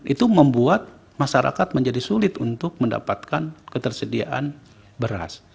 itu membuat masyarakat menjadi sulit untuk mendapatkan ketersediaan beras